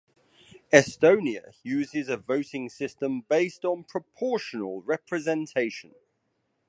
Estonia uses a voting system based on proportional representation.